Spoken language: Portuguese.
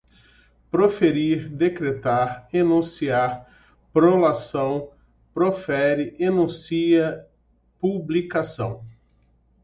proferir, decretar, enunciar, prolação, profere, enuncia, publicação